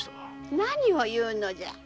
何を言うのじゃ。